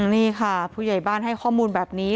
นี่ค่ะผู้ใหญ่บ้านให้ข้อมูลแบบนี้